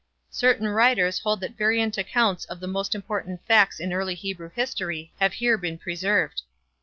Certain writers hold that variant accounts of the most important facts in early Hebrew history have here been preserved.